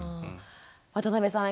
渡邊さん